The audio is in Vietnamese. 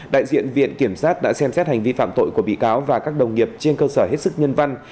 đại diện viện kiểm sát đã xem xét hành vi phạm tội của bị cáo và các đồng nghiệp trên cơ sở hết sức nhân văn